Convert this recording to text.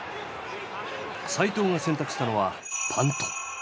齋藤が選択したのはパント。